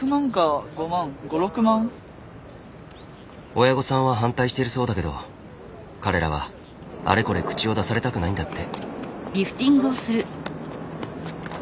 親御さんは反対してるそうだけど彼らはあれこれ口を出されたくないんだって。